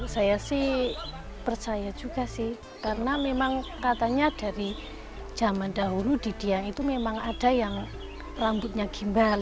saya sih percaya juga sih karena memang katanya dari zaman dahulu di dieng itu memang ada yang rambutnya gimbal